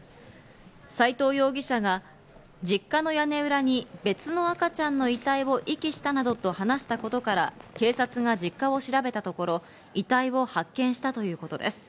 斎藤容疑者が実家の屋根裏に別の赤ちゃんの遺体を遺棄したなどと話したことから、警察が実家を調べたところ遺体を発見したということです。